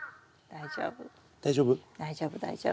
大丈夫大丈夫。